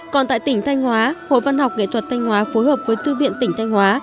còn tại tỉnh thanh hóa hội văn học nghệ thuật thanh hóa phối hợp với thư viện tỉnh thanh hóa